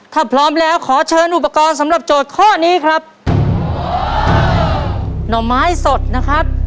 ถ้าพร้อมแล้วขอเชิญอุปกรณ์สำหรับโจทย์ข้อนี้ครับหน่อไม้สดนะครับ